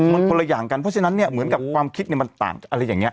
มันคนละอย่างกันเพราะฉะนั้นเนี่ยเหมือนกับความคิดมันต่างอะไรอย่างนี้